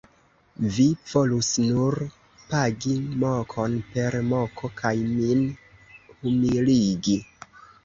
Vi volus nur pagi mokon per moko kaj min humiligi.